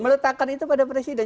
meletakkan itu pada presiden